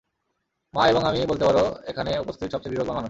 মা এবং আমি বলতে পারো এখানে উপস্থিত সবচেয়ে বিবেকবান মানুষ।